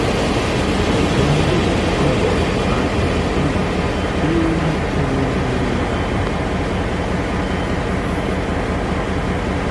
Oni vidas ombrojn, aĵojn, umojn, kiujn oni neniam atentis.